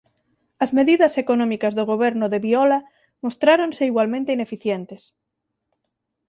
As medidas económicas do goberno de Viola mostráronse igualmente ineficientes.